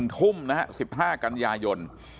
ทุ่มนะฮะ๑๕กันยายน